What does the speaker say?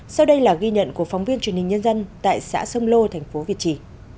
sau đây là ghi nhận của phóng viên truyền hình nhân dân tại xã sông lô thành phố việt trì